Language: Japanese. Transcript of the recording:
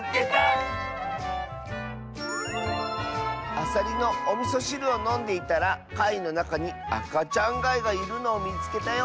「アサリのおみそしるをのんでいたらかいのなかにあかちゃんがいがいるのをみつけたよ」。